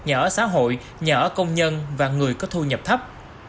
nhỡ xã hội nhỡ công nhân và người có thu nhập thấp